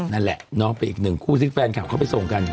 นั่นแหละเนาะไปอีกหนึ่งคู่ซิ้นแฟนคาร์ปเข้าไปส่งกัน